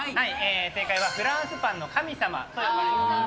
正解は、フランスパンの神様と呼ばれてたんです。